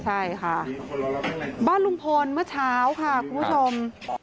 ใช่ค่ะบ้านลุงพลเมื่อเช้าค่ะคุณผู้ชม